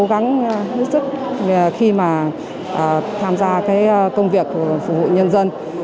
đã cố gắng hữu sức khi mà tham gia công việc phục vụ nhân dân